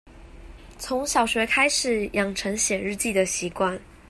從小學開始養成寫日記的習慣